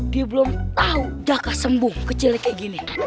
dia belum tahu daka sembuh kecil kayak gini